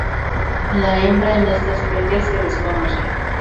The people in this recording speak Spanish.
La hembra en esta especie se desconoce.